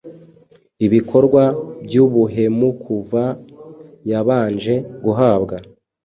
Ibikorwa byubuhemukuva yabanje guhabwa